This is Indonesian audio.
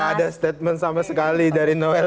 gak ada statement sama sekali dari noel